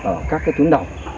ở các cái chuyến động